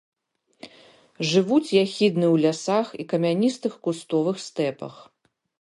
Жывуць яхідны ў лясах і камяністых кустовых стэпах.